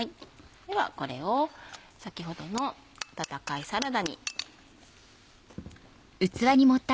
ではこれを先ほどの温かいサラダに。